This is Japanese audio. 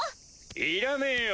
いらねぇよ。